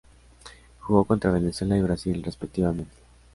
Jugó contra Venezuela y Brasil, respectivamente.